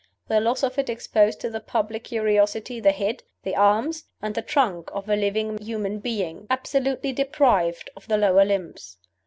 The loss of it exposed to the public curiosity the head, the arms, and the trunk of a living human being: absolutely deprived of the lower limbs.